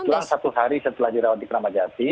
kebetulan satu hari setelah dirawat di keramat jati